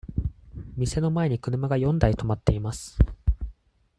店の前に車が四台止まっています。